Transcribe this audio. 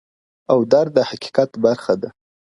او درد د حقيقت برخه ده,